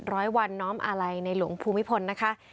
ร้อยวันน้อมอาลัยในหลวงภูมิพลนะคะ